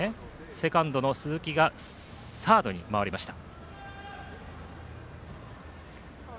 セカンドの鈴木がサードに回りました。